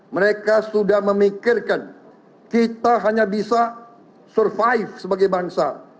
mereka sudah memikirkan kita hanya bisa survive sebagai bangsa